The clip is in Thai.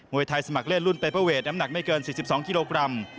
วยไทยสมัครเล่นรุ่นเปเปอร์เวทน้ำหนักไม่เกิน๔๒กิโลกรัม